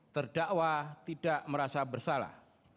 terdakwa tidak merasa bersalah